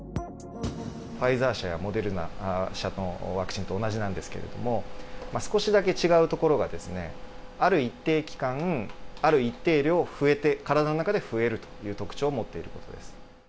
ファイザー社やモデルナ社のワクチンと同じなんですけれども、少しだけ違うところが、ある一定期間、ある一定量増えて、体の中で増えるという特徴を持っていることです。